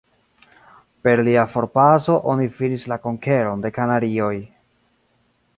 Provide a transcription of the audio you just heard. Per lia forpaso, oni finis la Konkeron de Kanarioj.